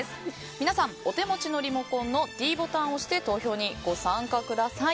皆さん、お手持ちのリモコンのｄボタンを押して投票にご参加ください。